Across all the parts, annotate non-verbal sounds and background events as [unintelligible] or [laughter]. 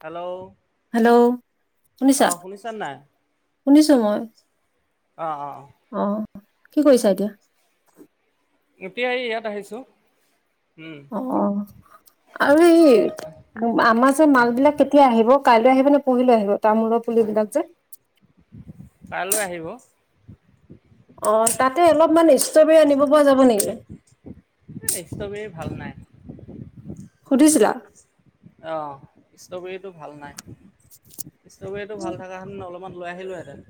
Hello hello অ শুনিছা নাই? শুনিছো মই। অ- অ। অ কি কৰিছা এতিয়া? এতিয়া এই ইয়াত আহিছো। অ আৰু এই আমাৰ যে মাল বিলাক কেতিয়া আহিব? কাইলৈ আহিব নে পৰহিলে আহিব? তামোলৰ পুলি বিলাক যে। কাইলৈ আহিব অ তাতে অলপমান ষ্ট্ৰবেৰী আনিব পৰা যাব নেকি এই ষ্ট্ৰবেৰী ভাল নাই সুধিছিলা অ ষ্ট্ৰবেৰীতটো ভাল নাই ষ্ট্ৰবেৰীতটো ভাল থকা হে অলপমান লৈ আহিলো হেতেন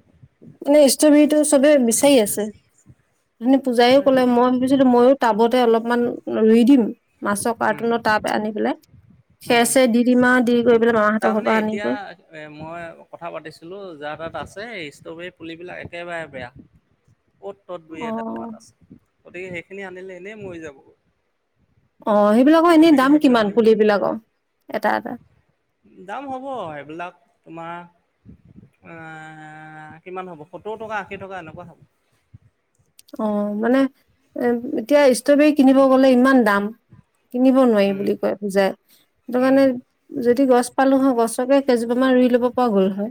মানে ষ্ট্ৰবেৰীতটো চবে বিচাৰি আছে মানে পূজাৰী সকলে মই ভাবিছিলো ময়ো টাবতে অলপ [unintelligible] অকমান ৰুই দিম মাছৰ উ কাৰ্টুনৰ টাব আনি পেলাই খেৰ চেৰ দি দিম আৰু দি কৰি পেলাই মামাহঁতৰ ঘৰৰ তাৰমানে পৰা আনি এতিয়া কৰি। মই কথা পাতিছিলো যাৰ তাত আছে ষ্ট্ৰবেৰী [unintelligible] পুলিবিলাক একেবাৰে বেয়া অ'ত ত'ত দুই অ এটা পাত আছে [unintelligible] গতিকে সেইখিনি আনিলে এনেই মৰি যাব অ সেইবিলাকৰ এনেই দাম কিমান পুলি বিলাকৰ এটা এটা দাম হ'ব সেইবিলাক তোমাৰ কিমান হ'ব সত্তৰ টকা আশী টকা এনেকোৱা হ'ব অ মানে এ এতিয়া ষ্ট্ৰবেৰী কিনিব গলে ইমান দাম কিনিব নোৱাৰিম উম বুলি কয় বুজাই সেইটো উম কাৰণে যদি গছ পালো হয় গছকেজ মাৰ ৰুই ল'ব পৰা গ'ল হয়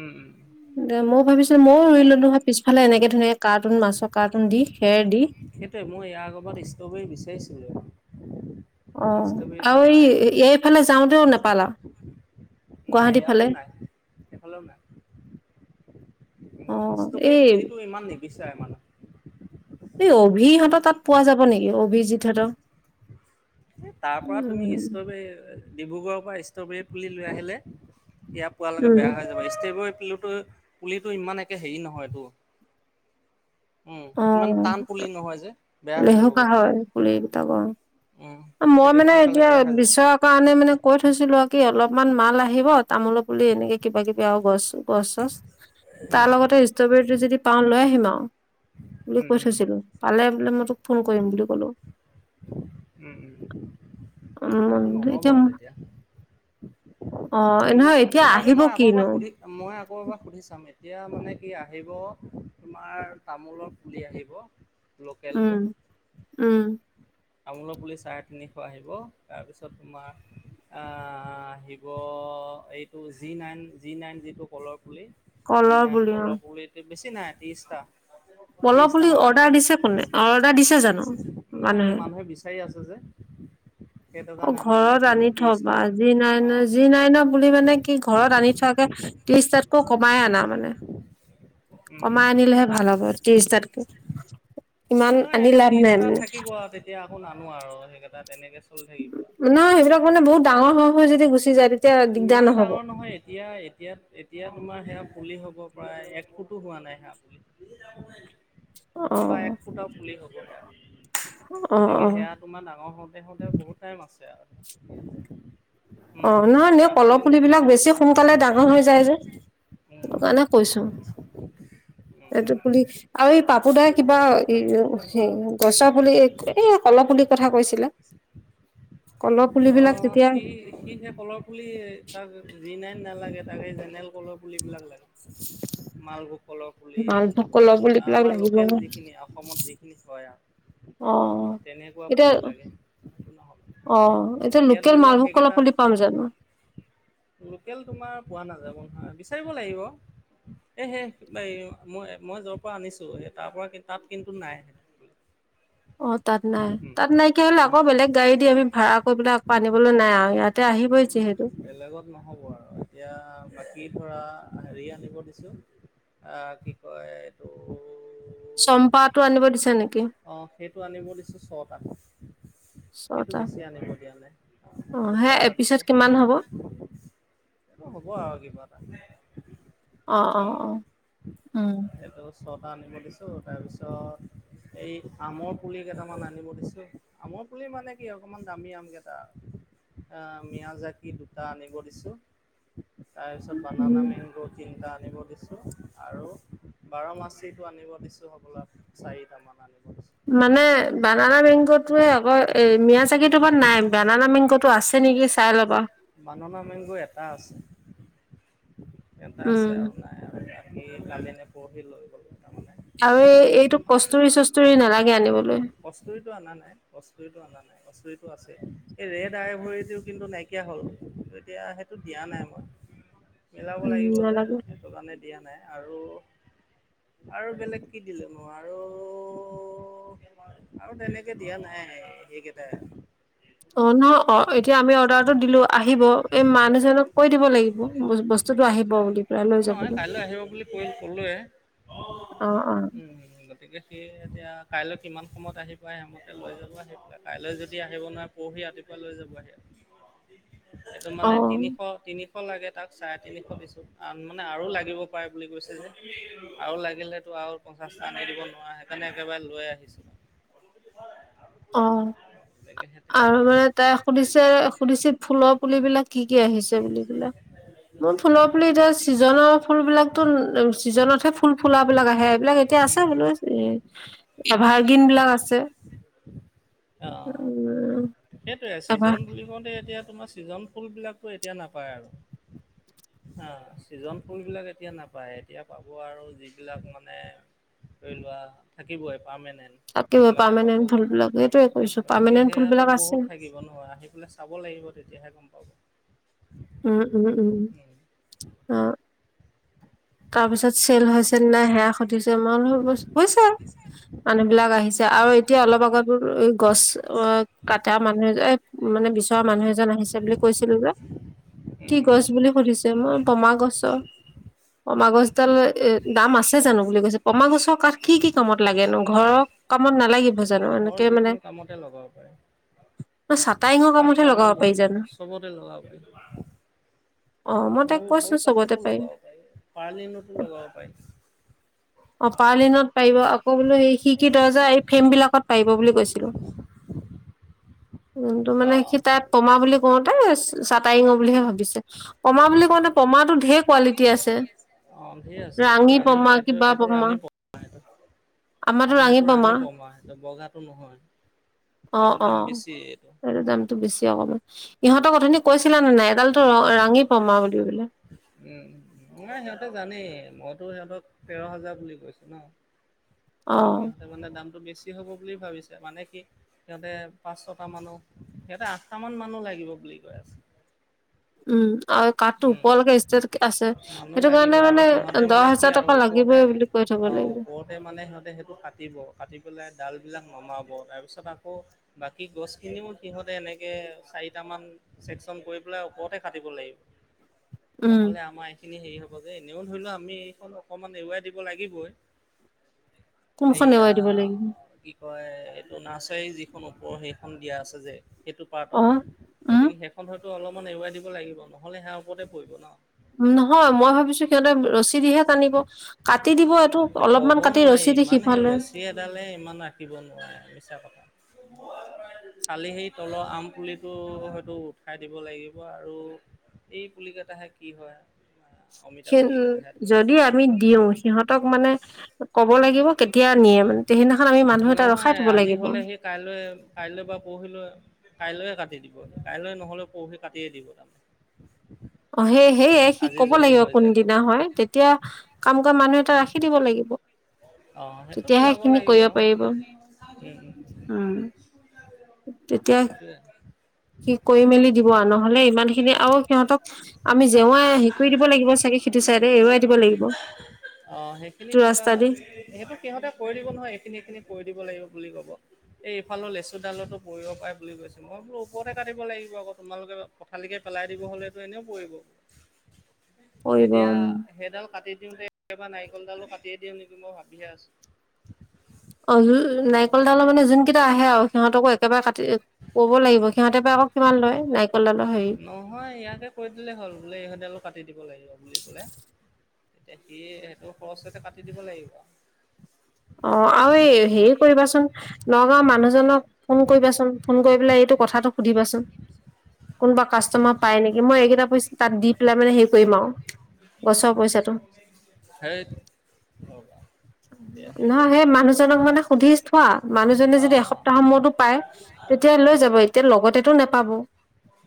উম উম দে ময় ভাবিছো মইও ৰুইলো নোহয় পিছফালে এনেকে [unintelligible] নে কাৰড কাৰটোন মাছৰ কাৰটোন দি খেৰ দি সেইটোৱে মই এয়া আগবা ষ্ট্ৰবেৰী বিচাৰিছিলোঁ অ ষ্ট্ৰবেৰীটো আৰু নাই এই এইফালে যাওঁতেও নেপালা নাই গুৱাহাটীৰ ইয়াতো ফালে নাই উ অ', ষ্ট্ৰবেৰী এই পুলিটো ইমান নিবিচাৰে মানে [unintelligible] এই অভিহঁত তাত পোৱা যাব নেকি অভিজিতহঁতৰ [unintelligible] তাৰ পৰা তুমি উম ষ্টবেৰী ডিব্ৰুগড়ৰ পৰা ষ্ট্ৰবেৰীত পুলি লৈ আহিলে ইয়া পোৱালৈকে উম বেয়া হৈ যাব ষ্টব পুলিতটো ইমান একে হেৰি নহয়তটো উম ইমান টান অ', পুলি নহয় যে বেয়া হৈ লেহুকা যাবগৈ হয় সোনকাল পুলি কেইটা অ'। উ মই মানে এতিয়া বিচৰা কাৰণে মানে কৈ থৈছিলো আৰু কি অলপ অকমান মাল আহিব তামোলৰ পুলি এনেকে কিবা কিবি আৰু গছ চছ পচ চচ উম তাৰ লগতে ষ্ট্ৰবেৰীটো যদি পাওঁ লৈ আহিম আৰু অ। বুলি উম কৈ উম থৈছিলো, পালে বোলে মই তোক ফোন কৰিম বুলি কলো। উম উম। উম, সেইটো নহ'ব এতিয়া ম তেতিয়া অঁ, ন নহয় এতিয়া তথাপি আহিব মই আকৌ এবাৰ কিনো? সুধি মই আকৌ এবাৰ সুধি চাম। এতিয়া মানে কি আহিব, তোমাৰ তামোলৰ পুলি আহিব লোকেলটো উম, উম। তামোলৰ পুলি চাৰে তিনিশ আহিব, তাৰপিছত তোমাৰ আ আহিব এইটো জি নাইন জি নাইন, যিটো কলৰ পুলি জি কলৰ নাইন পুলি অ কলৰ পুলিটো বেছি নাই ত্ৰিছটা। কলৰ পুলি ত্ৰিছটামান আনিব অৰ্ডাৰ দিছে কোনে, অৰ্ডাৰ দিছে জানো মানুহে? বিচাৰি আছে যে। সেইটো অ কাৰণে আনি পেলাই ঘৰত থৈ আনি দিওঁ থবা। ত্ৰিছটামান জি নাইন অঁ জি নাইনৰ পুলি মানে কি ঘৰত আনি থোৱাকে ত্ৰিশটাতকৈ কমাই আনা মানে। উম উম কমাই আনিলেহে ভাল হ'ব ত্ৰিশটাতকে। ইমান নহয় আনি এইটো লাভ নাই ত্ৰিশটা মানে থাকিব আৰু তেতিয়া আকৌ নানো আৰু সেইকেইটা তেনেকে চলি থাকিব আৰু। নহয় সেইবিলাক মানে বহুত ডাঙৰ হৈ হৈ যদি গুচি যায় তেতিয়া দিগদাৰ ইমান নহব? ডাঙৰ নহয় এতিয়া এতিয়া এতিয়া তোমাৰ সেইয়া পুলি হ'ব প্ৰায়, এক ফুটো হোৱা নাই সেইয়া পুলি। অ। বা এক ফুটা পুলি হ'ব সেইয়া, অ অ গতিকে সেয়া তোমাৰ ডাঙৰ হওঁতে হওঁতে বহুত টাইম আছে আও [unintelligible] অ নহয় নে কলৰ পুলিবিলাক যাব বেছি সোনকালে ডাঙৰ হৈ যায় যে, সেইটো উম। কাৰণে কৈছো। এটো পুলি, আও এই পাপো দাই কিবা হেই হে গছৰ পুলি এই, এয়া কলৰ পুলি কথা কৈছিলে। কলৰ পুলিবিলাক অ' তেতিয়া সি সি সেই কলৰ পুলি তাক জি নাইন নালাগে তাক, এই জেনেৰেল কলৰ পুলিবিলাক লাগে। মালভোগ কলৰ পুলি, মালভোগ কলৰ পুলিবিলাক আমাৰ লাগিব ন লোকেল যিখিনি অসমত যিখিনি হৈ আও, অ তেনেকুৱা এতিয়া পুলি লাগে। অ এতিয়া লোকেল ধৰি লোৱা মালভোগ কলৰ সেইকেইটা, পুলি পাম জানো লোকেল তোমাৰ পোৱা নাই [unintelligible] বিচাৰিব লাগিবে, এই সেই এ মই মই যৰ পৰা আনিছো তাৰ পৰা, তাত কিন্তু নাই অ তাত নাই, তাত নাইকিয়া হলে আকৌ বেলেগ গাড়ী দি আমি ভাড়া কৰিবে আকৌ আনিবলে নাই আও, ইয়াত উম, বেলেগত ন'হব আৰু এতিয়া মানে এ'ধৰা হেৰি আনিব দিছোঁ আ কি কয় এইটো চম্পাটো আনিব দিছে নেকি [unintelligible] অহ, সেইটো আনিব দিছো ছটা সেইটো ছটা বেছি আনিব দিয়া নাই। অ সেই ছটা এপিছত দিছো কিমান হ'ব এই হ'ব আৰু কিবা এটা অ অ উম অ হেতু ছটা আনিব দিছোঁ তাৰপিছত এই আমৰ পুলি কেইটামান আনিব দিছোঁ। আমৰ পুলি মানে কি অকণমান দামী আমকেইটা। আ, মিয়াজাকি দুটা আনিব দিছোঁ। তাৰপিছত বানানা উম মঙ্গ তিনটা আনিব দিছোঁ আৰু বাৰমাচিটো আনিব দিছোঁ, হবলা চাৰিটামান। দিছোঁ মানে বানানা মেংগটোয়ে আকৌ এ' মিয়াচাগি তোমাৰ নাই বানানা মেংগতো আছে। নেকি চাই ল'বা বাননা মেংগ এটা আছে। এটা উম আছে আৰু নাই আৰু। এই কালিনে পৰহি লৈ গ'ল। আৰু এই এইটো কস্তুৰি- চস্তৰি নালাগে আনিবলৈ। কস্তুৰীটো অনা নাই কস্তুৰীটো অনা নাই কস্তুৰীটো আছে এই ৰেড আয় ভৰি কিন্তু নাইকিয়া হ'ল এতিয়া সেইটো দিয়া নাই মই। মিলাব উম লাগিব যে নালাগে সেইটো কাৰণে দিয়া নাই আৰু আৰু বেলেগ কি দিলে ন' আৰু -আৰু তেনেকে দিয়া নাই সেইকেইটাই। অ নহয় অ এতিয়া আমি অৰ্ডাৰ টো দিলোঁ আহিব এই মানুহ জনক কৈ দিব লাগিব বছ বস্তু টো আহিব বুলি লৈ নহয় যাবলৈ। কাইলৈ আহিব বুলি কৈ ক'লোৱে অহ - অহ সেয়ে এতিয়া কাইলৈ কিমান সময়ত আহিব পায় আহিমতে লৈ যাব আহি পেলাই কাইলৈ যদি আহিব নোৱাৰে পৰহি ৰাতিপুৱা লৈ যাব আহি। [unintelligible] এইটো মানে অ', তিনিশ তিনি। শ লাগে তাক চাৰে তিনিশ দিছো মানে আৰু লাগিব পাৰে বুলি কৈছে যে আৰু লাগিব পাৰে বুলি কৈছিলোঁ আৰু লাগিলেতো আৰু পঞ্চাশটা আনি দিব নোৱাৰা সেইকাৰণে একেবাৰে লৈ আহিছো। অহ, আৰু মানে তাই সুধিছে সুধিছে ফুলৰ পুলিবিলাক কি- কি আহিছে বুলি পেলাই মোৰ ফুলৰ পুলি এতিয়া চিজনৰ ফুলবিলাকতো চিজনতহে ফুল -ফুলাবিলাক আহে এইবিলাক এতিয়া আছে উম বোলো এ' এভাৰ্গিন বিলাক আছে। অহ, উম, সেইটোৱে এভাৰ চিজন বুলি কওঁতে এতিয়া- তোমাৰ ছিজন ফুলবিলাকতো এতিয়া নাপায় আৰু হা ছিজন ফুলবিলাক এতিয়া নাপায় এতিয়া পাব আৰু যিবিলাক মানে ধৰি লোৱা থাকিবই পাৰমেনেণ্ট তাতকে সেইবিলাকহে পাৰ্মানেন্ট পাবা ফুলবিলাক সেইটোয়ে কৈছো গতিকে পাৰ্মানেন্ট সেয়াটো ফুলবিলাক আছে বহুত থাকিব নহয় আহি পেলাই চাব লাগিব তেতিয়াহে গম পাব। উম- উম -উম অহ তাৰপিছত চেল হৈছে নে নাই সেয়া সুধিছে মই বুলো হৈছে মানুহ বিলাক আহিছে আৰু এতিয়া অলপ আগত গছ অহ কাটা মানুহ এজন মানে বিচৰা মানুহ এজন আহিছে বুলি কৈছিলো যে কি গছ উম, বুলি সুধিছে মই পমা গছৰ, পমা গছডাল এ দাম আছে জানো বুলি কৈছে? পমা গছৰ কাঠ কি-কি কামত লাগেনো? ঘৰৰ কামত নালাগিব জানো এনেকে ঘৰৰ মানে যিকোনো কামতে লগাব ন পাৰে। চাটাইঙৰ কামতহে কাঠটো লগাব আমাৰ পাৰি বহুত জানো উ চবতে লগাব পাৰি, অ মই তাক মোৰ মোৰ কৈছো চবতে কাষতো পাৰিম। লগাব পাৰি। পাৰ্লিনতো লগাব পাৰি, অহ পাৰলিনত পাৰিব আকৌ বোলো খিৰিকি দৰ্জা এই ফ্ৰেম বিলাকত পাৰিব বুলি কৈছিলোঁ। উ তো মানে অ', সি তাত পমা বুলি কওঁতে চাটাইঙ বুলিহে ভাবিছে। পমা বুলি কওঁনে পমাটো ঢেৰ কোৱালিটি আছে অ', ধেৰ আছে এইটো ৰাঙি ৰাণী পমা, এইটো কিবা এইটো পমা। ৰাণী এইটো, আমাৰো আমাৰ ৰাঙি এইটো পামা। ৰাণী পমা এইটো বগাটো নহয়। এইটো দাম অহ-অহ বেছি এইটো। সটো দামটো বেছি অকমান। ইহঁতক অথনি কৰিবলে। উম, নাই সিহঁতে জানেই, মইতো সিহঁতক তেৰ হাজাৰ বুলি কৈছো ন? অ কিন্তু সিহঁতে মানে দামটৌ বেছি হ'ব বুলি ভাবিছে। মানে কি, সিহঁতে পাঁচ-ছটা মানুহ সিহঁতে আঠটা মান মানুহ লাগিব বুলি কৈ আছে। উম। আৰু কাঠটো ওপৰলৈকে উম ষ্টেট আছে মানোহ সেইটো কাৰণে লাগিব মানে আৰু সিহঁতে দহ মানে কি হাজাৰ আৰু টকা ওপৰতে, লাগিবই বুলি কৈ থব অহ লাগিব ওপৰতে মানে সিহতে সেইটো কাটিব কাটি পেলাই ডাল বিলাক নমাব তাৰপিছত আকৌ বাকী গছখিনিও সিহঁতে এনেকে চাৰিটামান চেকচন কৰি পেলাই ওপৰতে কাটিব লাগিব। উম নহলে আমাৰ এইখিনি হেৰি হ'ব। এনেও ধৰি লও আমি এইখন অকমান এৰুৱাই দিব লাগিবই। কোনখন এয়া এৱাই দিব লাগিব কি কয় এইটো নাৰ্চাৰী যি ওপৰৰ সেইখন দিয়া আছে যে? সেইটো অ পাৰ্টত উম গতিকে সেইখন হ'ল। তো অলপমান এৰুৱাই দিব লাগিব ন? নহ'লে সেয়া ওপৰতে পৰিব ন? নহয় মই ভাবিছো সিহঁতে ৰছী দিহে টানিব। কাটি দিব এইটো অলপমান ক'বও কাটি নোৱাৰি ৰছী দি ইমান সেই সিফালে। ৰছী এডালে ইমান ৰাখিব নোৱাৰে খালি সেই তলৰ আম পুলিটো হয়তো উঠাই দিব লাগিব আৰু এই পুলি কেইটাহে কি হয়। অমিতা সেই পুলিকেটা হে। যদি আমি দিও সিহঁতক মানে কব লাগিব কেতিয়া নিয়ে মানে? তে সেইদিনাখন আমি মানুহ এটা ৰখাই নহয় থব আজি লাগিব। হ'লেহি কাইলৈ কাইলৈ বা পৰহিলৈ কাইলৈয়ে কাটি দিব। কাইলৈ নহলে পৰহি কাটিয়ে দিব। সেই সেয়ে সি আজি ক'ব যদি লাগিব হৈ যায়। কোনদিনা হয়। তেতিয়া কাম কৰা মানুহ এটা ৰাখি দিব লাগিব। অ সেইটো তেতিয়াহে মিলাব সেইখিনি লাগিব। কৰিব পাৰিব উম-উম উম তেতিয়া সেইটোয়ে। সি কৰি মেলি দিব আৰু নহলে ইমান খিনি আৰু সিহঁতক আমি জেওৱাই হে কৰি দিব লাগিব চাগে সিটো চাইডে এৰুৱাই দিব লাগিব। অ সেইখিনি সেতু কিবা ৰাস্তা দি সেইটো সিহঁতে কৰি দিব নহয় এইখিনি এইখিনি কৰি দিব লাগে। বুলি কব এই ইফালৰ লেচু ডালতো পৰিব পাৰে বুলি কৈছে মই বোলো ওপৰতে কাটিব লাগিব আকৌ তোমালোকে পঠালিকে পেলাই দিব হলেতো এনেও পৰিব। কৰিব এতিয়া উম সেইডাল কাটি। দিওঁ এবাৰ নাৰিকল ডালো কাটিয়ে দিওঁ নেকি? মই ভাবিহে আছোঁ। অয়োই নাৰিকল ডাল মানে যোন কেইটা আহে আৰু। সিহঁতকো একেবাৰে কাটি ক'ব লাগিব সিহঁতে বা আকৌ কিমান লয় নাৰি- নহয় ইয়াকে কৈ দিলেই হ'ল বোলে ইহঁত ডালো কাটি। দিব লাগিব বুলি কলে তেতিয়া সি সেইটো খৰচতে কাটি দিব লাগিব আ। অঁ আৰু এই হেৰি কৰিবাচোন নগাঁওৰ মানুহ মানুহজনক ফোন কৰিবাচোন ফোন কৰি পেলাই এইটো কথাটো সুধিবাচোন কোনোবা কাষ্টমাৰ পাই নেকি মই এইকেইটা পইচা তাত দি পেলাই মানে হেৰি কৰিম আও গছৰ পইচাটো সেই ৰ'বা এতিয়া হেৰি নহ কৰি সেই নাথাকিব মানুহজনক মানে সুধি থোৱা মানুহজনে অ যদি অ এসপ্তাহ অ অ সময়তো পায় তেতিয়া লৈ যাব এতিয়া লগতেটো নাপাব।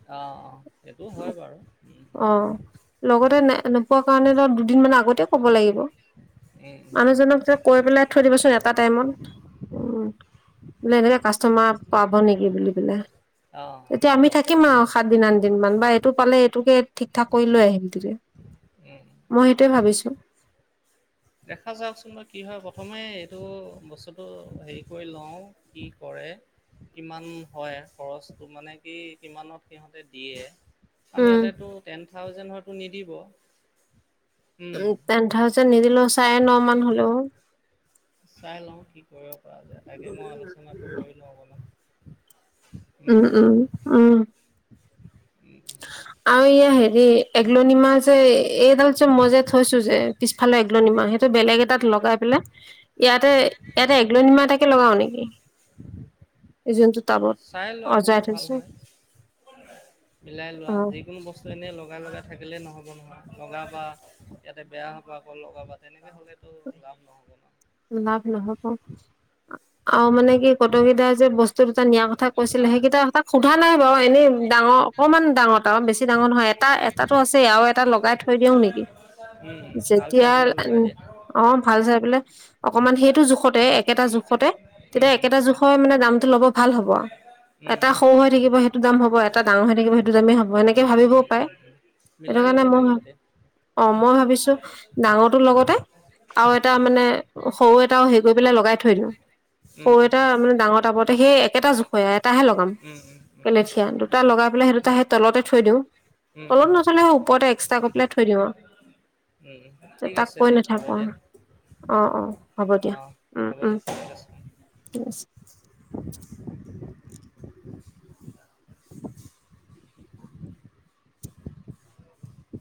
অ', অ', সেইটো হয় বাৰু। উম, উম, উম, অঁ লগতে নে নোপোৱা কাৰণে ধৰ দুদিনমান আগতে ক'ব লাগিব। উম, উম। লক জক কৈ পেলাই থৈ দিবচোন এটা টাইমত উ বুলে এনেকে কাষ্টমাৰ পাব নেকি বুলি পেলাই। অ', তেতিয়া আমি থাকিম আৰু। সাত দিন আন দিন মান বা এইটো পালে এইটোকে ঠিক ঠাক কৰি লৈ আহিম তেতিয়া উম। মই সেইটোৱে ভাবিছো। দেখা যাওকচোন বা কি হয় প্ৰথমে এইটো বস্তুটো হেৰি কৰি লওঁ কি কৰে কিমান হয় খৰচটো মানে কি কিমানত সিহঁতে দিয়ে। কাৰণ উম সিহঁতেটো টেন থাউজেন হয়তো নিদিব। [inaudible] উ টেন থাউজে- ণ্টে নিদিলো চাৰে ন মান হলেও চাই লওঁ কি কৰক। কৰা যায় তাকে মই আলোচনাটো কৰিলও আক নো উম উম উম উম, উম, আৰু ইয়া হেৰি এগলনি মাহ যে এইডাল যে মই যে থৈছো যে পিছফালে তুলনি মাহ সেইটো বেলেগ এটাত লগাই পেলাই ইয়াতে ইয়াতে এগলনি মা এটাকে লগাও নেকি এইজন তো চাই লোৱা কোনটো ভাল হয় মিলাই অ লোৱা যিকোন বস্ত এনেই ল [unintelligible] লগাই লগাই থাকিলে নহব নহয় লগাবা ইয়াতে বেয়া হবা আকৌ লগাবা তেনেকে হলেতো যাম নহব নহয় [unintelligible] লাভ নহব আৰু মানে কি কটোকেইটাৰ যে বস্তু নিয়া কথা কৈছিলে সেইকেইটা এক [unintelligible] সোধা নাই বাৰু এনেই ডাঙৰ অকণমান ডাঙৰ ত আৰু বেছি ডাঙৰ নহয় এটা এটাতটো আছে আৰু এটা লগাই থৈ দিও নেকি উম ভাল যেতিয়া চাই পেলাই লগাই দিয়া অ ভাল চাই পেলাই অকমান সেইটো উম জোখতে একেটা জোখতে উম তেতিয়া একেটা জোখৰ মানে দাম। ভাল হ'ব উম এটা উম সৰু হৈ থাকিব সেইটো দাম হ'ব এটা ডাঙৰ হৈ থাকিব সেইটো দামেই হ'ব এনেকে উম ভাবিবও উম পাৰে সেইটো মিলাই ল'ব কাৰণে মই ভ লাগিব দিয়া অঁ মই ভাবিছো ডাঙৰটোৰ লগতে আৰু এটা মানে সৰু এটাও হেৰি কৰি পেলাই লগাই থৈ দিওঁ উম সৰু উম এটা মানে ডাঙৰ টাবৰতে সেই এটা জোখুৱীয়া [unintelligible] এটাহে লগাম উম উম উম কেলেথীয়া দুটা লগাই পেলাই সেই দুটা সেই তলতে থৈ দিওঁ উম উম উম তলত নথলেই ওপৰতে এক্সট্ৰা কৰি পেলাই থৈ দিওঁ উম আৰু ঠিক তাক কৈ নাথাকো আৰু অ [unintelligible] হ'ব দিয়া আহ উম হ'ব উম দে ঠিক আছে ঠিক আছে